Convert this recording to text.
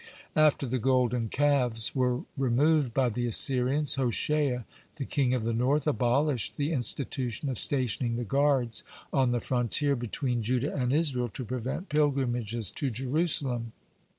After the golden calves were removed by the Assyrians, Hoshea, the king of the north, abolished the institution of stationing the guards on the frontier between Judah and Israel to prevent pilgrimages to Jerusalem.